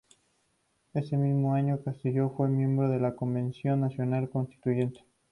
Ese mismo año, Castello fue miembro de la Convención Nacional Constituyente.